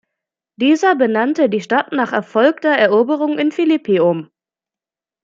Dieser benannte die Stadt nach erfolgter Eroberung in Philippi um.